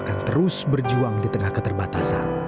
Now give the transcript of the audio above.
akan terus berjuang di tengah keterbatasan